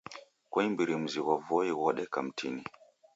Koimbiri mzi ghwa Voi ghodeka mtini.